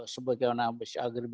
sebagai orang agribis